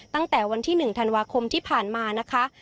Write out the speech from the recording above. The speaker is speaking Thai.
ตั้งแต่วันที่๑ธันวาคมที่ผ่านมานะคะ